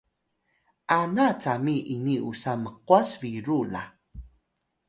ana cami ini usa mqwas biru la